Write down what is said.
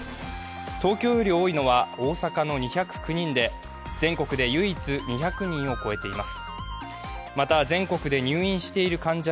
東京より多いのは大阪の２０９人で、全国で唯一、２００人を超えています。